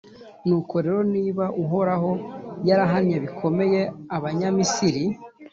Nuko rero, niba Uhoraho yarahannye bikomeye Abanyamisiri,